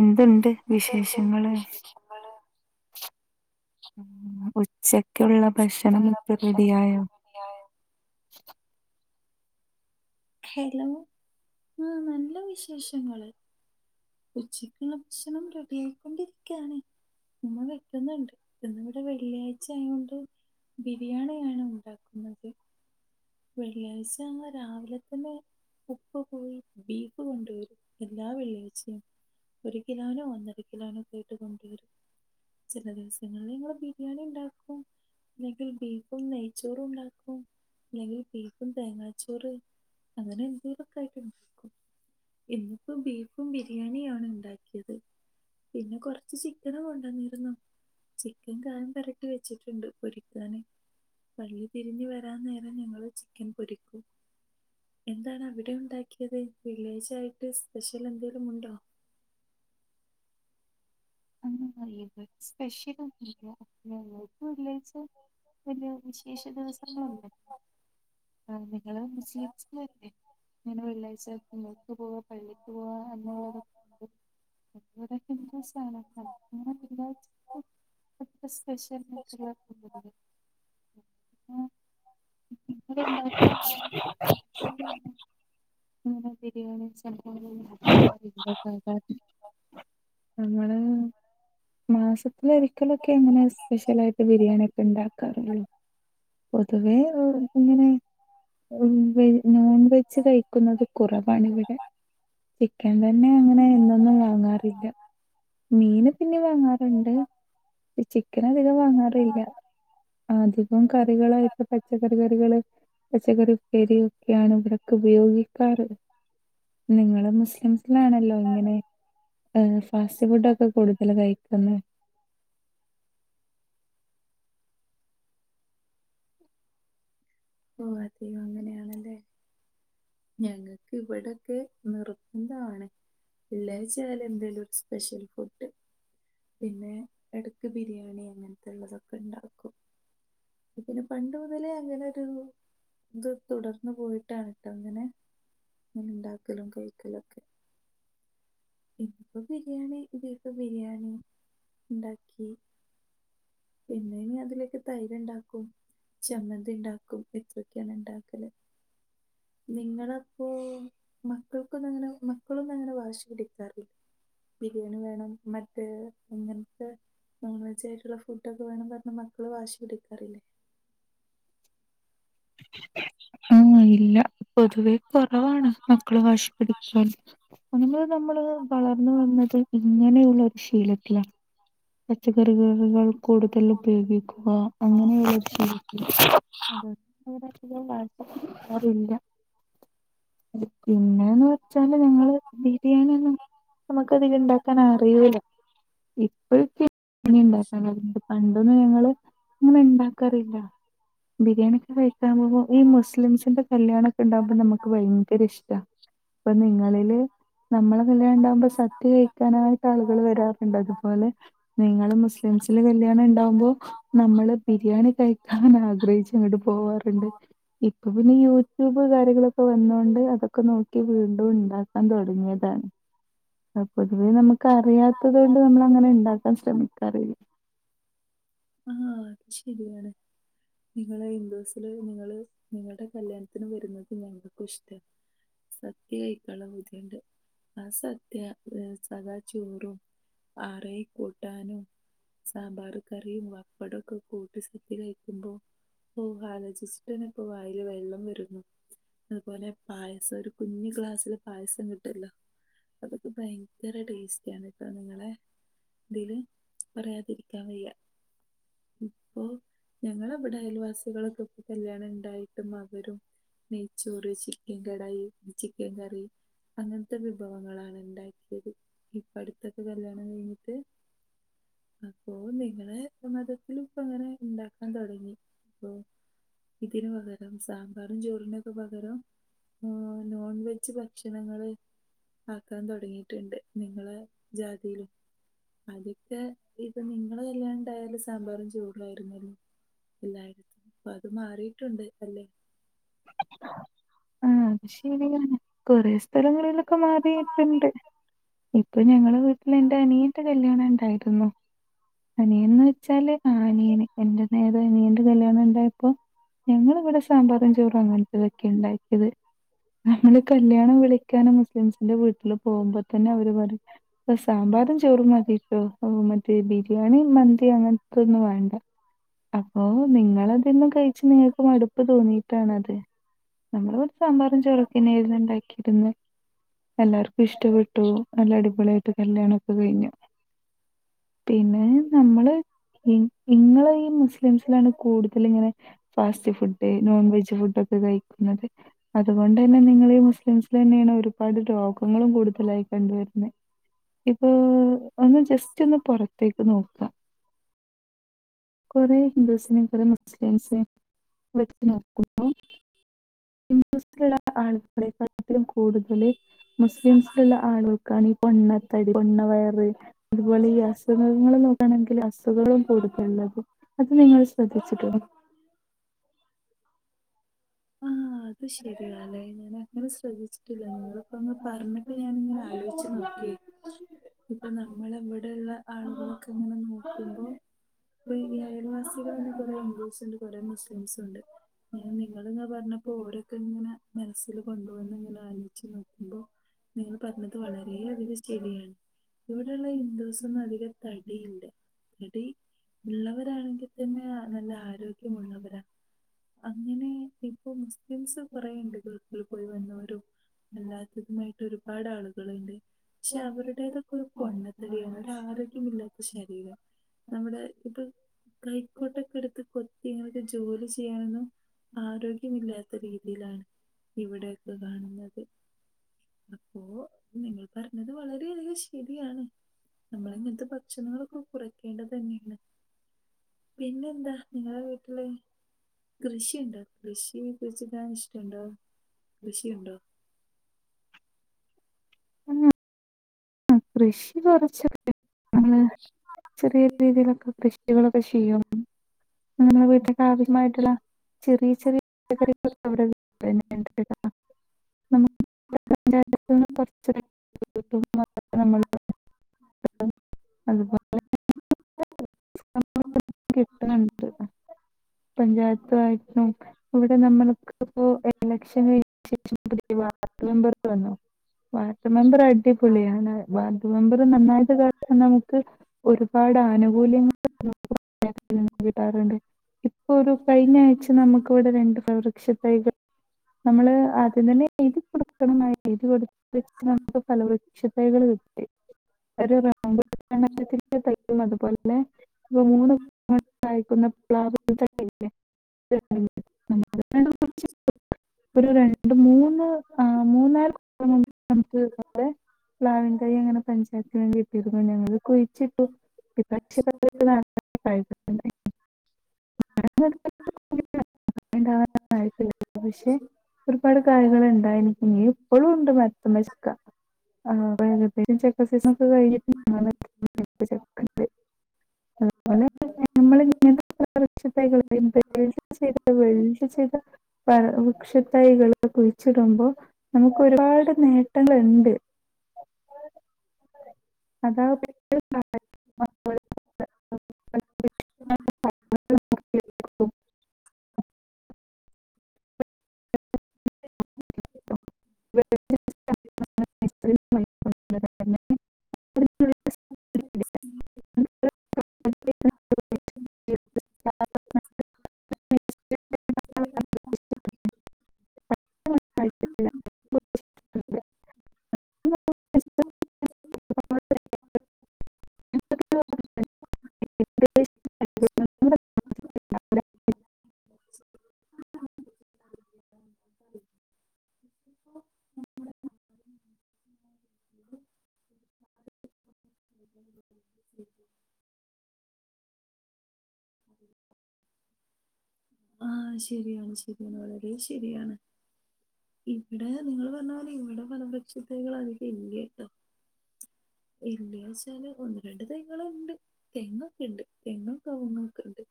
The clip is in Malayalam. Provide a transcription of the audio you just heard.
എന്തുണ്ട് വിശേഷങ്ങള് ഉച്ചക്കുള്ള ഭക്ഷണംമൊക്കെ റെഡിയായോ [inaudible] ഹലോ ആ നല്ല വിശേഷങ്ങള് ഉച്ചക്കുള്ള ഭക്ഷണം റെഡിയയിക്കൊണ്ടിരിക്കയാണ് ഉമ്മ വെക്കുന്നുണ്ട്ന്ന് ഇവിടെ വെള്ളിയാഴ് ആയൊണ്ട് ബിരിയാണിയാണ് ഉണ്ടാക്കുന്നത് വെള്ളിയാഴ്ച അങ് രാവിലെ തന്നെ ഉപ്പ പോയി ബീഫ് കൊണ്ടുവരും എല്ലാ വെള്ളിയാഴ്ചയും ഒരു കിലോനോ ഒന്നര കിലോനോ കേട്ട് കൊണ്ടുവരും ചില ദിവസങ്ങളിൽ നിങ്ങള് ബിരിയാണി ഉണ്ടാക്കും ഇല്ലെങ്കിൽ ബീഫും നെയ്ച്ചോറും ഉണ്ടാക്കും അല്ലെങ്കിൽ ബീഫും തേങ്ങാച്ചോറ് അങ്ങനെ എന്തെകിലും ഓക്കേ ഉണ്ടാക്കും ഇന്നിപ്പോ ബീഫും ബിരിയാണിയണ് ഉണ്ടാക്കിയത് പിന്നെ കൊറച്ച് ചിക്കനും കൊണ്ടുവന്നിരുന്നു ചിക്കൻ കാൽ പെരട്ടി വെച്ചിട്ടുണ്ട് പൊരിക്കാന് പള്ളി പിരിഞ് വരാ നേരം അ ഞങ്ങള് ചിക്കൻ പൊരിക്കും എന്താണ് അവിടെ ഉണ്ടാക്കിയത് വെള്ളിയാഴ്ച ആയിട്ട് സ്പെഷ്യൽ എന്തേലുമുണ്ടോ [inaudible] ഇവിടെ സ്പെഷ്യൽ ഒന്നുല്ല വെള്ളിയാഴ്ച വല വിശേഷ ദിവസങ്ങളുണ്ട് ആ നിങ്ങള് മുസ്ലിംസില ഒക്കെ ഇങ്ങനെ വെള്ളാഴ്ച കുങ്ങൾക്ക് പോവാ പള്ളിക്ക് പോവാ അങ്ങ ഉുള്ളതൊ അ ഹിന്ദുസാണ് വെള്ളിയാഴ്ച അങ്ങനെ സ്പെഷ്യൽ പരിപാടി ഒന്നുല ഉ ഉ ബരിയാണ ചലഞ്ഞി നോട്‌ നമ്മള് മാസത്തില ഒരിക്കലൊക്കെ എങ്ങനെ സ്പെഷ്യൽ ആായിട്ട് ബിരിയാണി ഒക്കെ ഉണ്ടാക്കാറുള്ളൂ പൊതുവേ ഇങ്ങനെ വെ നോൺ വെജ് കഴിക്കുന്നത് കുറവാണ് ഇവിടെ ചിക്കൻ എന്നന്നെ അങ്ങനെ എന്നന്നും ന്നു വാങ്ങാറില്ല മീൻ പിന്നെ വാങ്ങാറുണ്ട് ചിക്കൻ അധികം വാങ്ങാറില്ല അധികം കറികളായിട്ട് പച്ചക്കറി കറികള് പച്ചക്കറി ഉപ്പേരി ഒക്കെയാണ് ഇവിടെ ഒക്കെ ഉപയോഗിക്കാറ് നിങ്ങള് മുസ്ലിംസിലാണല്ലോ ഇങ്ങനെ ഫാസ്റ്റ് ഫുഡ ഒക്കെ ഓ അതെയോ അങ്ങനെയാണല്ലേ ഞങ്ങൾക്ക് ഇവിടെ നിർബന്ധ മാണ് എല്ലെച്ചാല എന്തെലും ഒരു സ്പെഷ്യൽ പിന്നെ ഇടക്ക് ബിരിയാണി അങ്ങനത്തെ ഉള്ളതൊക്കെ ഉണ്ടാക്കും പിന്നെ പണ്ട് മുതലേ അങ്ങനെ ഇത് തുടർന്ന് പോയിട്ടാണ് ട്ടോ ഇങ്ങനെ ഉണ്ടാക്കലും കഴിക്കലും ഒക്കെ ഇപ്പോ ബിരിയാണി ഇതിപ്പൊ ബിരിയാണി ഉണ്ടാക്കി പിന്നെനി അതിലേക്ക് തൈര് ഉണ്ടാക്കും ചമ്മന്തി ഉണ്ടാക്കും എത്ര ണ്ടാക്കല് നിങ്ങളപ്പോ.... മക്കൾക്കൊന്നും അങ്ങനെ മക്കളൊന്നും അങ്ങനെ വാശി പിടിക്കു റി ബിരിയാണി വേണം മറ്റേ ഇങ്ങനത്തെ നോൺ വെജ് ആയിട്ടുള്ള ഫുഡ ഒക്കെ വേണം പറഞ്ഞ മക്കള് വാശി പിടിക്കാറില്ലേ ശ്..... ആഹ ഇല്ല പൊതുവേ കുറവാണ് മക്കളെ വശി പിടിക്കൻ നമ്മൾ നമ്മള് വളർന്ന വന്നത് ഇങ്ങനെയുള്ള ഒരു ശീലത്തില പച്ചക്കറികറുകൾ കൂടുതൽ ഉപയോഗിക്കുക അങ്ങനെയുള്ളീ ശീലത്തിൽ അതുകൊണ്ട് തന്നെ അറില്ല..... മ്മ് പിന്നെന്ന് വെച്ചാല് ഞങ്ങള് ബിരിയാണി ഒുന്നും നമുക്ക് അതിൽ ഇണ്ടാക്കാൻ അറിയൂല്ല ഇപ്പ ഇനെ ഉണ്ടാക്കാനൻ ഫുഡ്‌ പണ്ടൊന്നും ഞങ്ങള് ഇങ്ങനെ ഉണ്ടാക്കാറില്ല ബിരിയാണിക്കെ കഴിക്കാൻ പോവുമ്പോൾ ഈ മുസ്ലിംസിന്റെ കല്യാണൊക്കെ ഉണ്ടകുമ്പോ നമുക്ക് ഭയങ്കര ഇഷ്ട അപ്പൊ നിങ്ങളില് നമ്മളെ കല്യാണ്ടാകുമ്പോ സദ്യ കഴിക്കാനായിട്ട് ആളുകൾ വരാറുണ്ട് അതുപോലെ നിങ്ങള് മുസ്ലിംസിന്റെ കല്യാണം ഉണ്ടാവുമ്പോ നമ്മള് ബിരിയാണി കഴിക്കാൻ ആഗ്രഹിച്ചു കിടും പോവാറുണ്ട് ഇപ്പൊ പിന്നെ യൂട്യൂബ് കാര്യങ്ങളൊക്കെ വന്നൊണ്ട് അതൊക്കെ നോക്കി വീണ്ടും ഉണ്ടാക്കാൻ തുടങ്ങിയാതാണ്. അപ്പോത്തിന്ന് നമ്മുക്ക് അറിയാത്തത് കൊണ്ട് നമ്മൾ അങ്ങനെ ഉണ്ടാക്കാൻ ശ്രമിക്കാറില്ല ആഹ അത് ശരിയാണ് നിങ്ങള് ഹിന്ദുസിൽ നിങ്ങള് നിങ്ങളുടെ കല്യാണത്തിന് വരുന്നത് ക്ക് ഇഷ്ട സത്യ കയിക്കാനുള്ള പുതികൊണ്ട് ആ സദ്യയ സദാ ചോറും ആറെയി കൂട്ടാനും സാമ്പാർ ക ഈ പപ്പടൊക്കെ കൂട്ടി സദ്യ കഴിക്കുമ്പോ ഓ ആലോചിച്ചിട്ടന്നെ ഇപ്പൊ വായിൽ വെള്ളം വരുന്നു അതുപോലെ പായസം ഒരു കുഞ്ഞു ക്ലാസ്സില് പായസം കിട്ടൊല്ലോ അതൊക്കെ ഭയങ്കര ടേസ്റ്റിയാണ് ട്ടോ നിങ്ങളെ തില് പറയാതിരിക്കാൻ വെയ്യ ഇപ്പോ ഞങ്ങളവിടെ അയൽവാസികളൊക്കെ ഇപ്പൊ കല്യാണം ഇണ്ടായിട്ടും അവരും നെയ്ച്ചോറ് ചിക്കൻ കടായി ചിക്കൻ കറി അങ്ങനത്തെ വിഭവങ്ങളാണ്. ഉണ്ടാക്കിയത് ഇപ്പടുത്തൊക്കെ കല്യാണം കഴിഞ്ഞിട്ട് അപ്പോന്നെ ഞങ്ങളെ മതത്തിലും ഇപ്പങ്ങനെ ഇണ്ടാക്കാൻ തോടങ്ങി ഇപ്പൊ ഇതിന് പകരം സാമ്പാറും ചോറിന്റൊക്കെ പകരം ആ നോൺ വെജ് ഭക്ഷണങ്ങള് ആക്കാൻ തുടങ്ങിയിട്ട്ണ്ട് നിങ്ങളെ ജാതിയിലും അതിത്തെ ഇത് നി ങ്ങളെ കല്യാണംണ്ടായാല് സാമ്പാറും ചോറായിരുന്നല്ലോ എല്ലായിടത്തും അപ്പൊ അത് മാറിട്ടുണ്ട് അല്ലെ? [unintelligible] അ ആക്ഷേനങ്ങനെ കൊറെ സ്ഥലങ്ങളില് ക്കെ മാറിയിട്ട്ണ്ട്. ഇപ്പൊ ഞങ്ങളെ വീട്ടില്ന്റെ അനിയന്റെ കല്യാണം ഇണ്ടായിരുന്നു. അനിയന് ന്ന് വെച്ചാല് ആ അനിയന് എന്റെ നേരെ അനിയന്റെ കല്യാണം ണ്ടായപ്പൊ ഞങ്ങൾ ഇവടെ സാമ്പാറും ചോറും ഇതൊക്കെ ഉണ്ടാക്കിയത് ഞങ്ങള് കല്യാണം വിളി ക്കാനും മുസ്ലിംസിന്റെ വീട്ടില് പോവുമ്പോ തന്നെ അവര് പറിം. സാമ്പാറും ചോറും മതിട്ടോ മറ്റേ ബിരിയാണിം മന്തീം അങ്ങനത്തെ ഒന്നും വേണ്ട. അപ്പൊ നിങ്ങളതെന്നും കഴിച്ചു നിങ്ങൾക്ക് മടുപ്പ് തോന്നി ട്ടാണത്. നമ്മള് വിടെ സാമ്പാറും ചോറൊക്കെന്നായിരുന്നു ഇണ്ടാക്കിയിരുന്ന് എല്ലാർ ഇഷ്ടപ്പെട്ടു നല്ല അടിപൊളിയായിട്ട് കല്യാണം പ്പകഴിഞ്ഞു പിന്നെ നമ്മള് ഈ നിങ്ങള് ഈ മുസ്ലിംസിലാണ് കൂടുതൽ ഇങ്ങനെ ഫാസ്റ്റ് ഫുഡ് നോൺവെജ് ഫുഡൊക്കെ കഴിക്കുന്നത്. അതുകൊണ്ടന്നെ നിങ്ങളീ മുസ്ലിംസിൽ തന്നെയാണ് ഒരുപാട് രോഗങ്ങളും കൂടു തലായി കണ്ട് വരുന്നേ ഇപ്പൊ ഒന്ന് ജസ്റ്റൊന്ന് പുറത്തേ ക്ക്‌ നോക്കാ കുറേ ഹിന്ദൂസിനെ കുറെ മുസ്ലിംസിനെ വചിട്ട് നോക്കുമ്പൊ ഹിന്ദൂസിലുള്ള ആൾക്കാരെകാട്ടിലും കൂടുതല് മുസ്ലിംസിലുള്ള ആളുകൾക്കാണ് ഈ പൊണ്ണത്തടി പൊണ്ണ വയറ് അതുപോലെ ഈ അസുഖങ്ങളും നോക്കാണങ്കില് അസുഖവും കൂടുതല്ള്ളത് അത് നിങ്ങൾ ശ്രദ്ധിച്ചിട്ടോ? ആഹ് അത് ശരിയാല്ലെ ഞാൻ അങ്ങനെ ശ്രദ്ധിച്ച് ട്ടില്ല നിങ്ങളിപ്പോ അങ്ങ് പറഞ്ഞപ്പൊ ഞാനിങ്ങനെ ആലോയ്ച്ചു നോക്ക്യേ ഇപ്പൊ നമ്മളവിടെള്ള ആളുകളൊക്കെ ഇങ്ങനെ നോക്കുമ്പോ ഇപ്പൊ ഈ അയൽവാസികൾ തന്നെ കൊറെ ഹിന്ദൂസ്ണ്ട് കൊറെ മുസ്ലിംസൂണ്ട്. ഒന്ന് നിങ്ങ ത് നിങ്ങൾ പറഞ്ഞപ്പോ ഓരൊക്കെ ഇങ്ങനെ മനസ്സില് കൊണ്ട് വന്ന് ഇങ്ങനെ ആലോയ്ച്ച് നോക്കുമ്പോ നിങ്ങൾ പറഞ്ഞത് വളരേ അധികം ശരിയാണ്. ഇവിടെള്ള ഹിന്ദൂസൊന്നും അധികം തടി ഇല്ല. തടി ഇള്ളവരാണെങ്കിൽ തന്നെ നല്ല ആരോഗ്യമുള്ളവരാ അങ്ങനെ ഇപ്പൊ മുസ്ലിംസ് കൊറേയുണ്ട് ഗൾഫിൽ പോയി വന്നവരും അല്ലാത്തതുമായിട്ട് ഒരുപാട് ആളുകള്ണ്ട്. പക്ഷെ അവരുടേതൊക്കെ ഒരു പൊണ്ണത്തടിയാണ്. ഒരാരോഗ്യമില്ലാത്ത ശരീരം നമ്മുടെ ഇപ്പൊ കൈക്കോട്ടൊക്കെ എടുത്ത് കൊത്തി ഇങ്ങനൊക്കെ ജോലി ചെയ്യാനൊന്നും ആരോഗ്യമില്ലാത്ത രീതിയിലാണ് ഇവിടെയൊക്കെ കാണുന്നത്. പ്പോ നിങ്ങൾ പറഞ്ഞത് വളരെയധികം ശരിയാണ്. നമ്മള്ങ്ങനത്തെ ഭക്ഷണങ്ങളൊക്കെ കുറക്കേണ്ടത് തന്നെയാണ്. പിന്നെന്താ നിങ്ങളുടെ വീട്ടില് കൃഷിണ്ടെ കൃഷി കുയിച്ചിടാൻ ഇഷ്ടണ്ടോ കൃഷിണ്ടോ ഉം കൃഷി കുറച്ചൊ [unintelligible] റ്റന് ചെറിയ രീതിയിലൊക്കെ ഇപ്പ ങ്ങളെക്കെ ചെയ്യും നമ്മുടെ വീട്ടില ആവശ്യമായിട്ടുള്ള ചെറിയ ചെറിയപച്ചക്കറികൾ ഇവിടെ [unintelligible] നമുക്ക് [unintelligible] എ കുറ [unintelligible] [unintelligible] [unintelligible] [inaudible] [unintelligible] പഞ്ചായത്ത ആയിട്ടും ഇവിടെ നമ്മൾക്കിപ്പോ എലക്ഷൻ കഴി ശേഷം പുതിയ മെമ്പർ വന്നു വാർഡ് മെമ്പർ അടിപൊളിയാണ് വാർഡ് മെമ്പറ് നന്നായിട്ട് കാട്ടാൻ നമുക്ക് ഒരു ഒരുപാട് ആനുകൂല്യങ്ങൾ [unintelligible] കിട്ടാറുണ്ട് ഇപ്പൊ ഒരു കഴിഞ്ഞ ആഴ്ച നമുക്ക ഇവിടെ രണ്ട് പ്രവൃക്ഷത്തൈകൾ നമ്മള് ആദ്യം തന്നെ എഴുതി കൊടുക്കണം എഴുതി കൊ നമുക്ക് ഫലവൃക്ഷതകൾ കിട്ടി ഒരു റ ും അതുപോലെ ഇപ്പ മൂന്ന് [unintelligible] മ്മ്ക് ഉ ഉ [unintelligible] അ ഒരു രണ്ട് മൂന്ന് മൂന്ന നമുക്ക്ടെ ബ്ാവിൻകൈ അങ്ങനെ പഞ്ചായത്തി വേണ്ടി കിട്ടിരുന്നു ഞങ്ങള് [unintelligible] ണ്ടഴ [unintelligible] പക്ഷെ ഒരുപാട് കാര്യങ്ങൾ ഇണ്ടായിന നീ ഇപ്പഴും ഉണ്ട് മരത്മ്മേ ചക്ക ആകദേശം ചെക്ക സീസ ഒ കഴിഞ്ഞട്ട അതുപോലെ നമ്മങ്ങ [unintelligible] വെ ഇത [unintelligible] പ വൃക്ഷത്തൈകൾ കുഴിച്ചിടുമ്പോ നമുക്ക് ഒരുപാട് നേട്ടങ്ങളുണ്ട് മ്മക്ബ് അതാ സഹ [unintelligible] ജെകൂജാബബ്വസിക്സ്സ്സ്സ്സ്‌സിവ്വ് [unintelligible] [inaudible] ന്നെ [unintelligible] മ [inaudible] [unintelligible] [unintelligible] വ്ബജ്‌ൽഖുവ് [unintelligible] [unintelligible] [inaudible] ഉ [inaudible] [inaudible] ആഹ ശരിയാണ് ശരിയാണ് വളരെ ശരിയാണ് ഇവിടെ നിങ്ങൾ പറഞ്ഞ പോലെ ഇവിടെ പനപക്ഷത്തികൾ അധികം ഇല്ലാട്ടോ ഉ എല്ല വച്ചാല് ഒന്ന് രണ്ട് തൈകൾ ഉണ്ട് തെങ്ങൊക്കെ ഉണ്ട് തെങ്ങ കവങ്ങൊക്കെ ഉണ്ട്